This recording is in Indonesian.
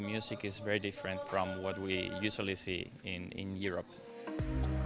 musiknya sangat berbeda dengan apa yang kita lihat di eropa